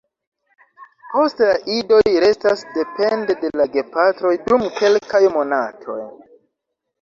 Poste la idoj restas depende de la gepatroj dum kelkaj monatoj.